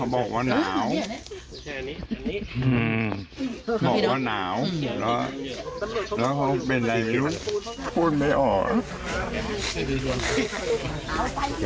บอกว่าหนาวแล้วคงเป็นอะไรไม่รู้พลไม่ออก